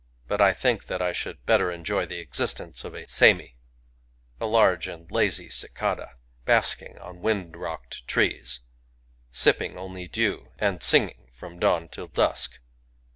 But I think that I should better enjoy the existence of a simi, — a large and lazy cicada, basking on wind rocked trees, sipping only dew, and singing from dawn till dusk.